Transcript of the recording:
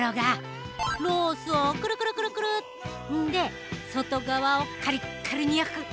で外側をカリッカリに焼く。